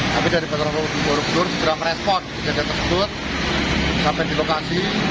tapi dari batara borobudur berapa respon di jalan tersebut sampai di lokasi